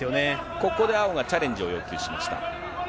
ここで青がチャレンジを要求しました。